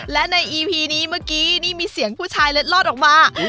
และในอีพีนี้เมื่อกี้นี่มีเสียงผู้ชายเล็ดลอดออกมา